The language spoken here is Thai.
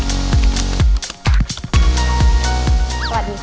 สวัสดีค่ะชื่ออังนะคะอังฆานาปัญญาน้อยค่ะ